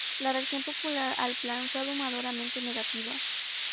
La reacción popular al plan fue abrumadoramente negativa.